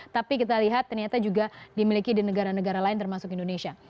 tapi kita lihat ternyata juga dimiliki di negara negara lain termasuk indonesia